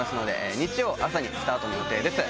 日曜朝にスタートの予定です。